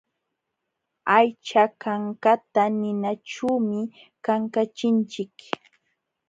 Aycha kankata ninaćhuumi kankachinchik.